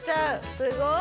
すごい！